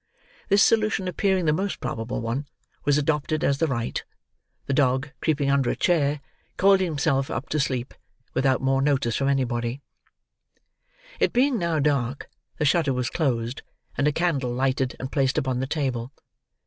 This solution, appearing the most probable one, was adopted as the right; the dog, creeping under a chair, coiled himself up to sleep, without more notice from anybody. It being now dark, the shutter was closed, and a candle lighted and placed upon the table.